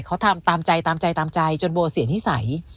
เขาทำตามใจจนโบเสียนิสัย